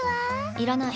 いらない。